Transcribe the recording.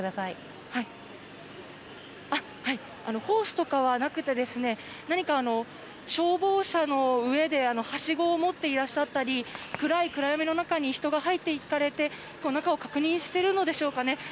ホースとかはなくて何か消防車の上ではしごを持っていらっしゃったり暗闇の中に人が入っていって中を確認しているのでしょうかね。